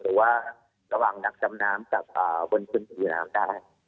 หรือว่าระหว่างนักดำน้ำกับบนชุนผิวน้ำได้